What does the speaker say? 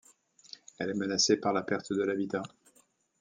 Elle est menacée par la perte de l'habitat.